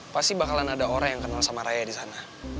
pasti bakalan ada orang yang kenal sama raya di sana